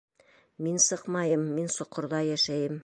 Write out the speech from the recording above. — Мин сыҡмайым, мин соҡорҙа йәшәйем.